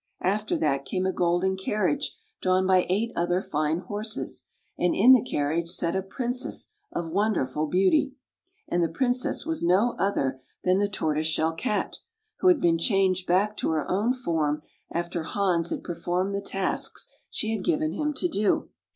After that came a golden carriage drawn by eight other fine horses, and in the carriage sat a Prin cess of wonderful beauty. And the Prin cess was no other than the Tortoise Shell Cat, who had been changed back to her own form after Hans had performed the tasks she had given him to do.